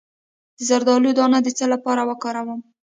د زردالو دانه د څه لپاره وکاروم؟